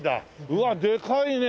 うわでかいね！